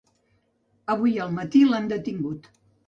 Avui al matí l’han detingut.